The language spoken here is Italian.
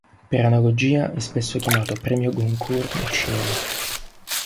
Per analogia, è spesso chiamato premio Goncourt del cinema.